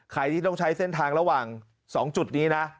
ใครที่ต้องใช้เส้นทางระหว่าง๒จุดนี้นะ